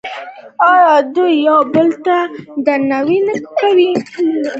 آیا دوی یو بل ته درناوی نه کوي؟